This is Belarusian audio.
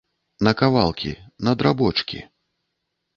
На кавалкі, на драбочкі.